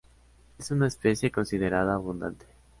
Es una especie considerada abundante.